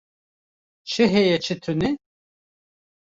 Çi heye çi tune?